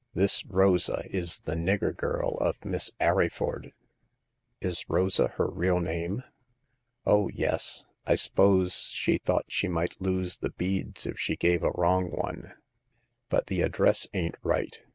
This Rosa is the nigger girl of Mrs. Arryford "" Is Rosa her real name ?"Oh, yes ; I s'pose she thought she might lose the beads if she gave a wrong one ; but the ad dress ain*t right.